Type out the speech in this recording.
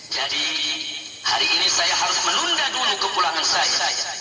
jadi hari ini saya harus menunda dulu ke pulangan saya